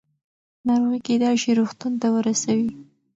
ناروغي کېدای شي روغتون ته ورسوي.